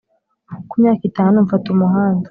ku myaka itanu mfata umuhanda,